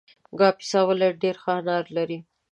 کاپیسا ولایت ډېر ښه انار لري